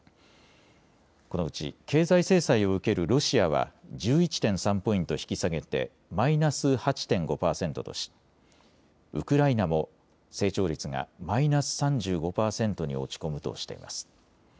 このうち経済制裁を受けるロシアは１１．３ポイント引き下げてマイナス８．５％とし、ウクライナも成長率がマイナス３５％に落ち込むとしています。